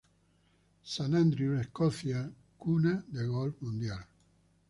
Andrews, cuna del golf mundial.